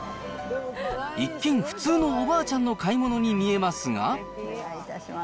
一見、普通のおばあちゃんの買い物に見えますが。